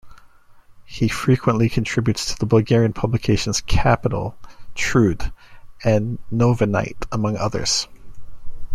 He frequently contributes to the Bulgarian publications "Capital", "Trud" and "Novinite", among others.